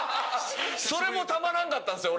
それもたまらんかったんですよ